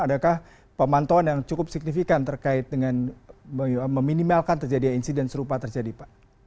adakah pemantauan yang cukup signifikan terkait dengan meminimalkan terjadinya insiden serupa terjadi pak